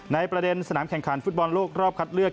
ในประเด็นสนามแข่งขันฟุตบอลโลกรอบคัดเลือก